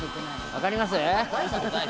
わかります？